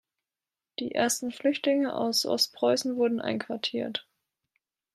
Die ersten Flüchtlinge aus Ostpreußen wurden einquartiert.